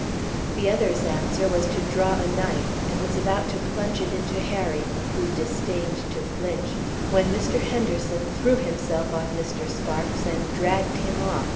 The other's answer was to draw a knife, and was about to plunge it into Harry, who disdained to flinch, when Mr. Henderson threw himself on Mr. Sparks and dragged him off.